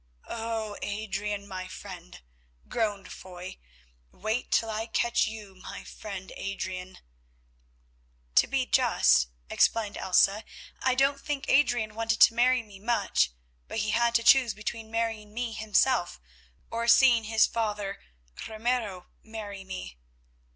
"Oh! Adrian, my friend," groaned Foy, "wait till I catch you, my friend Adrian." "To be just," explained Elsa, "I don't think Adrian wanted to marry me much, but he had to choose between marrying me himself or seeing his father Ramiro marry me."